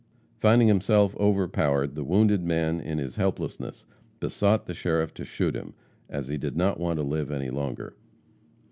Finding himself overpowered, the wounded man, in his helplessness, besought the sheriff to shoot him, as he did not want to live any longer.